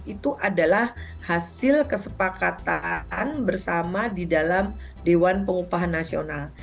itu adalah hasil kesepakatan bersama di dalam dewan pengupahan nasional